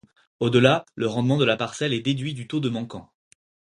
Au-delà, le rendement de la parcelle est déduit du taux de manquant.